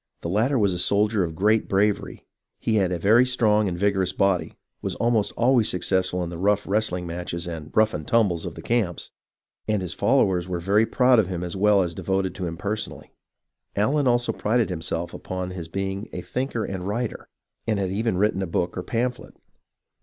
The latter was a soldier of great bravery, he had a very strong and vigorous body, was almost always successful in the rough wrestling matches and " rough and tumbles " of the camps, and his followers were very proud of him as well as devoted to him personally. Allen also prided himself upon his being a thinker and writer, and had even written a book or pamphlet.